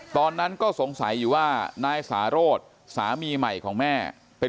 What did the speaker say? ตอนนั้นก็สงสัยอยู่ว่านายสาโรธสามีใหม่ของแม่เป็น